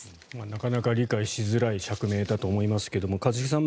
なかなか理解しづらい釈明だと思いますが、一茂さん